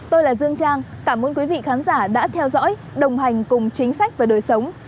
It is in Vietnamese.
tôi là dương trang cảm ơn quý vị khán giả đã theo dõi đồng hành cùng chính sách và đời sống